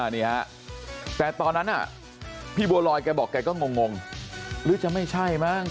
นี่ฮะแต่ตอนนั้นพี่บัวลอยแกบอกแกก็งงหรือจะไม่ใช่มั้ง